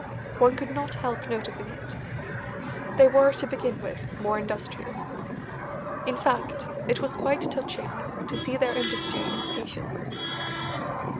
One could not help noticing it. They were, to begin with, more industrious. In fact, it was quite touching to see their industry and patience.